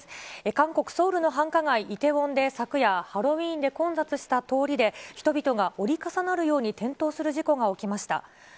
韓国・ソウルの繁華街、イテウォンで昨夜、ハロウィーン混雑した通りで、人々が折り重なるように転倒する事故が起きました。